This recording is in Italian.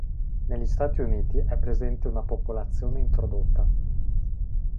Negli Stati Uniti è presente una popolazione introdotta.